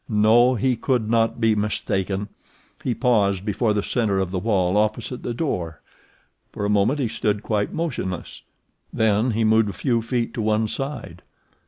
No, he could not be mistaken! He paused before the center of the wall opposite the door. For a moment he stood quite motionless, then he moved a few feet to one side.